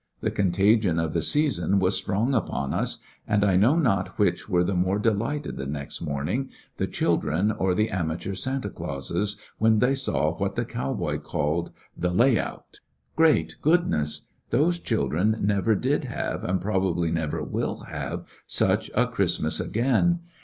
The contagion of the season was strong upon us, and I know not which were the more delighted the next morning, the children or the amateur Santa ClauseSj when they saw what the cow boy called the "lay out^» Great goodness ! Those children never did have, and probably never will have, such a Christmas again.